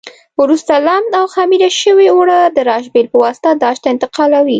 وروسته لمد او خمېره شوي اوړه د راشپېل په واسطه داش ته انتقالوي.